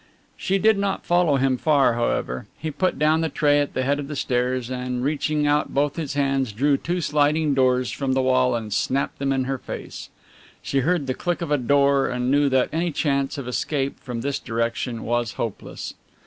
She did not follow him far, however. He put down the tray at the head of the stairs and reaching out both his hands drew two sliding doors from the wall and snapped them in her face. She heard the click of a door and knew that any chance of escape from this direction was hopeless.